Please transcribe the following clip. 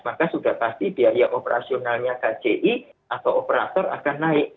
maka sudah pasti biaya operasionalnya kci atau operator akan naik